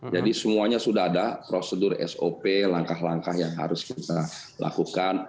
jadi semuanya sudah ada prosedur sop langkah langkah yang harus kita lakukan